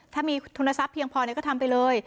ถ้ามีทุนทรัพย์เพียงพอก็ทำไปเลย